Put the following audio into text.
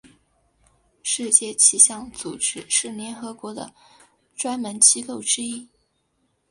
世界气象组织是联合国的专门机构之一。